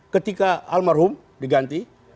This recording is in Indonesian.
ketika almarhum diganti